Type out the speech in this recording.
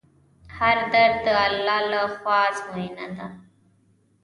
هر درد د الله له خوا ازموینه ده.